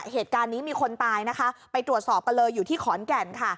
เหตุการณ์นี้มีคนตายนะคะไปตรวจสอบกันเลยอยู่ที่ขอนแก่นค่ะ